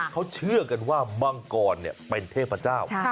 เขาเชื่อกันว่ามังกรเป็นเทพเจ้า